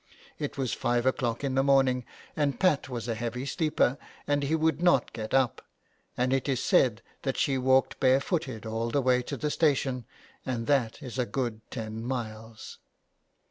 It was five o'clock in the morning, and Pat was a heavy sleeper, and he would not get up, and it is said that she walked barefooted all the way to the station, and that is a good ten miles.''